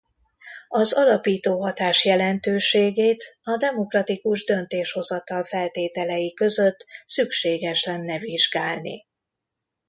Az alapító hatás jelentőségét a demokratikus döntéshozatal feltételei között szükséges lenne vizsgálni.